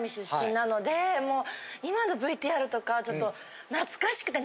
もう今のＶＴＲとかちょっと。